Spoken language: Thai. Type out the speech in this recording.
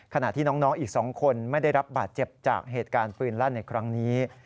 ขณะที่น้องอีก๒คนไม่ได้รับบาดเจ็บจากเหตุการณ์ปืนลั่นในครั้งนี้